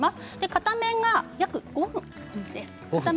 片面が約５分です。